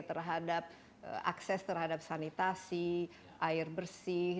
terhadap akses terhadap sanitasi air bersih